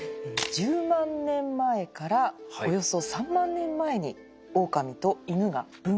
１０万年前からおよそ３万年前にオオカミとイヌが分化。